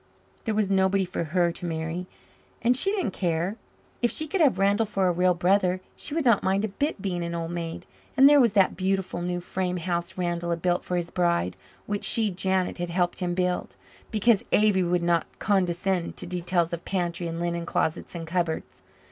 There was nobody for her to marry and she didn't care. If she could have Randall for a real brother, she would not mind a bit being an old maid. And there was that beautiful new frame house Randall had built for his bride, which she, Janet, had helped him build, because Avery would not condescend to details of pantry and linen closet and cupboards.